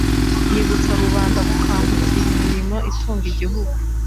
ryibutsa rubanda gukangukira imirimo itunga igihugu.